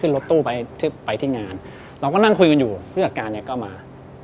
รถตู้ไปที่งานเราก็นั่งคุยกันอยู่ผู้จัดการเนี่ยก็มา